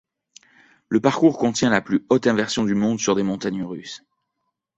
Le parcours contient la plus haute inversion du monde sur des montagnes russes.